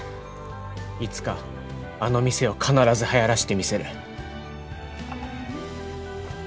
いつかあの店を必ずはやらせてみせる。